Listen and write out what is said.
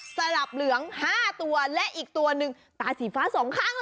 สลับเหลือง๕ตัวและอีกตัวหนึ่งตาสีฟ้าสองข้าง